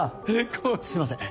すいません